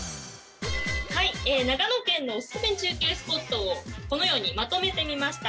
はい長野県のおすすめ中継スポットをこのようにまとめてみました